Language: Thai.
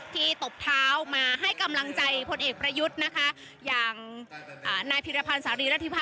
ที่ตบเท้ามาให้กำลังใจพลเอกประยุทธ์นะคะอย่างอ่า